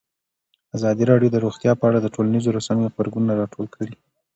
ازادي راډیو د روغتیا په اړه د ټولنیزو رسنیو غبرګونونه راټول کړي.